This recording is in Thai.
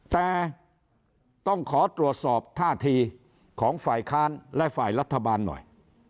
แต่ต้องขอตรวจสอบท่าทีของฝ่ายค้านและฝ่ายรัฐบาลหน่อย